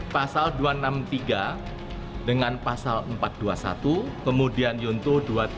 pasal dua ratus enam puluh tiga dengan pasal empat ratus dua puluh satu kemudian yonto dua puluh tiga